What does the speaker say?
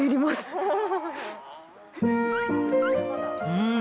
うん！